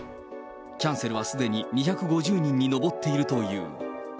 キャンセルはすでに２５０人に上っているという。